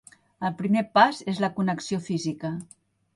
El primer pas és la connexió física.